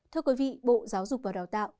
thưa quý vị bộ giáo dục và đào tạo